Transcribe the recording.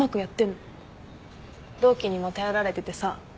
同期にも頼られててさ。